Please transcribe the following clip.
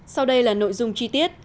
sau đây là nội dung chi tiết